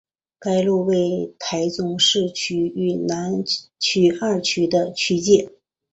该路为台中市东区与南区二区的区界。